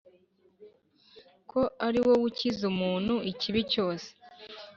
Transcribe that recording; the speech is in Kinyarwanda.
ko ari wowe ukiza umuntu ikibi cyose.